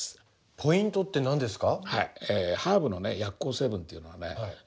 ポイントって何ですか？